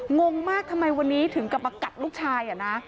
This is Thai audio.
งงมากทำไมวันนี้ถึงกลับมากัดลูกชายนะ